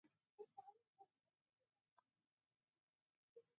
افغانستان د کوچیان په برخه کې نړیوالو بنسټونو سره کار کوي.